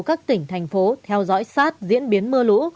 các tỉnh thành phố theo dõi sát diễn biến mưa lũ